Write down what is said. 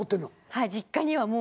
はい実家にはもう。